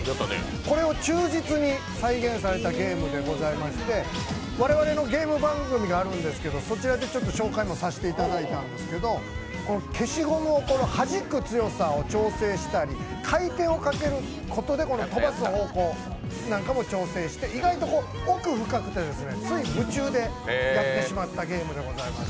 これを忠実に再現されたゲームでございまして我々のゲーム番組があるんですけれども、そちらで紹介もさせていただいたんですけど、消しゴムをはじく強さを調整したり回転をかけることで飛ばす方向なんかも調整して意外とこう、奥深くてつい夢中でやってしまったゲームでございます。